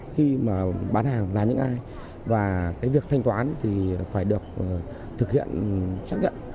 khi mà bán hàng là những ai và cái việc thanh toán thì phải được thực hiện xác nhận